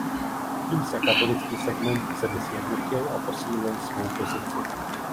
Tím se katolický segment v zemi sjednotil a posílil svou pozici.